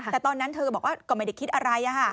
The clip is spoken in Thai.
แต่ตอนนั้นเธอก็บอกว่าก็ไม่ได้คิดอะไร